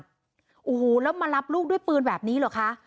ที่อยู่ชั้นปสองกลับบ้านโอ้โหแล้วมารับลูกด้วยปืนแบบนี้เหรอคะ